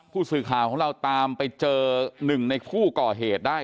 ผู้สื่อข่าวของเราตามไปเจอหนึ่งในผู้ก่อเหตุได้